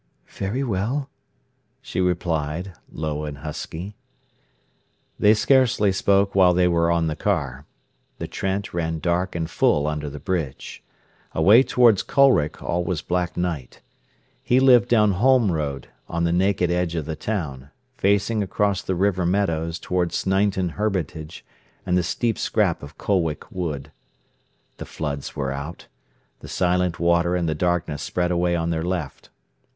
"Very well," she replied, low and husky. They scarcely spoke while they were on the car. The Trent ran dark and full under the bridge. Away towards Colwick all was black night. He lived down Holme Road, on the naked edge of the town, facing across the river meadows towards Sneinton Hermitage and the steep scrap of Colwick Wood. The floods were out. The silent water and the darkness spread away on their left.